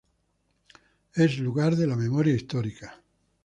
Es Lugar de la Memoria Histórica.